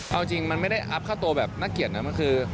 เอาจริงมันไม่ได้อัพค่าตัวแบบน่าเกลียดนะคือ